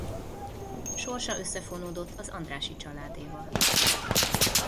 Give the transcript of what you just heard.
Sorsa összefonódott az Andrássy-családéval.